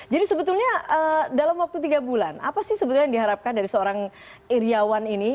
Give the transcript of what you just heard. jadi sebetulnya dalam waktu tiga bulan apa sih sebetulnya yang diharapkan dari seorang iryawan ini